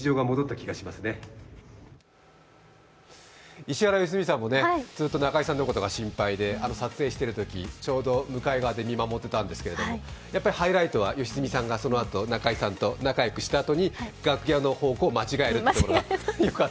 石原良純さんもずっと中居さんのことが心配で撮影しているとき、ちょうど向かい側で見守っていたんですがハイライトは良純さんがそのあと、中居さんと仲よくしたあとに楽屋の方向を間違えるという。